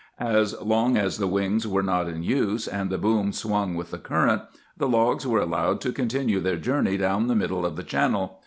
As long as the wings were not in use, and the boom swung with the current, the logs were allowed to continue their journey down the middle of the channel.